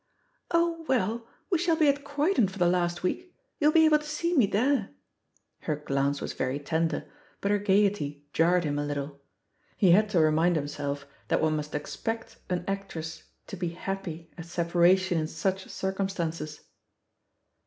"Oh, well, we shall be at Croydon for the last week ; you'll be able to see me there 1" Her glance was very tender, but her gaiety jarred him a little. He had to remind himself that one must expect an actress to be happy at separation in such circumstances.